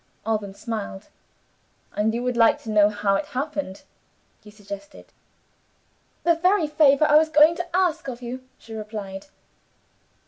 Alban smiled. "And you would like to know how it happened?" he suggested. "The very favor I was going to ask of you," she replied.